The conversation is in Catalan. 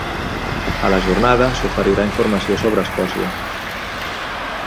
A la jornada s'oferirà informació sobre Escòcia.